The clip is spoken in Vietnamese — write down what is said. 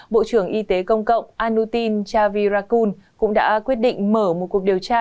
bộ trưởng y tế công cộng anutin chavirakun cũng đã quyết định mở một cuộc điều tra